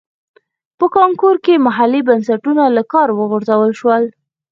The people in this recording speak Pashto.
په کانګو کې محلي بنسټونه له کاره وغورځول شول.